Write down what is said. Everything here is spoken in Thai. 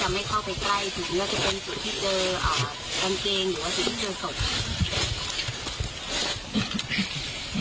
ถึงว่าจะเป็นสุดที่เจออ่าบางเกงหรือว่าสุดที่เจอสด